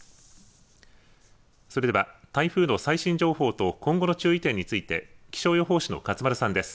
それでは台風の最新情報と今後の注意点について気象予報士の勝丸さんです。